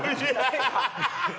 ハハハハ！